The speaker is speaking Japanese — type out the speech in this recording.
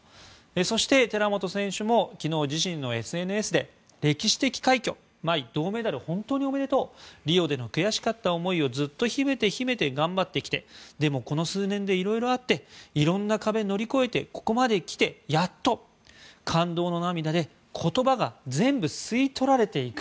そして、寺本選手も昨日、自身のＳＮＳで歴史的快挙茉愛、銅メダル本当におめでとうリオでの悔しかった思いをずっと秘めて秘めて頑張ってきてでも、この数年で色々あって色んな壁を乗り越えてここまで来て、やっと！感動の涙で言葉が全部吸い取られていく。